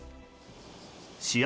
試合